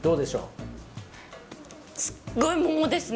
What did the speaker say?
すっごい桃ですね。